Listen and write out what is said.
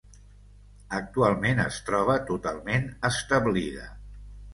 Actualment es troba totalment establida.